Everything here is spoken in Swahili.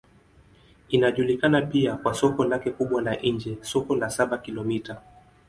Inajulikana pia kwa soko lake kubwa la nje, Soko la Saba-Kilomita.